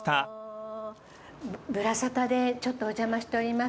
『ぶらサタ』でちょっとお邪魔しております。